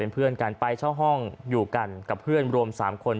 เพื่อนกันไปเช่าห้องอยู่กันกับเพื่อนรวม๓คน